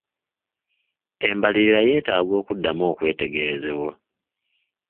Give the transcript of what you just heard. Embalirira yeetaaga okuddamu okwetegerezebwa.